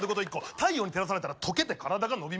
太陽に照らされたら溶けて体が伸びますよ。